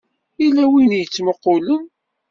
Yella win i yettmuqqulen.